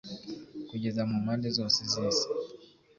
kugeza mu mpande zose zisi